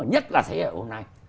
nhất là thế hệ hôm nay